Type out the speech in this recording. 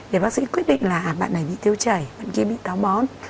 để bác sĩ quyết định là bạn này bị tiêu chảy bạn kia bị táo bón